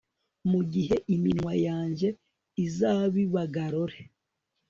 mugihe iminwa yanjye izabiba galore